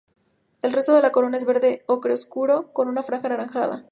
El resto de la corona es verde ocre oscuro, con una franja anaranjada.